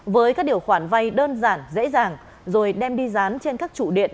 với các điều khoản vay đơn giản dễ dàng rồi đem đi rán trên các chủ điện